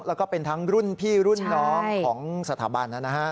แล้วก็เป็นทั้งรุ่นพี่รุ่นน้องของสถาบันนะฮะ